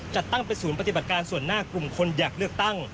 จัดตั้งเป็นศูนย์ปฏิบัติการส่วนหน้ากลุ่มคนอยากเลือกตั้ง